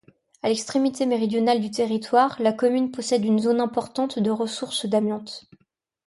À l'extrémité méridionale du territoire, la commune possède une zone importante de ressources d'amiante.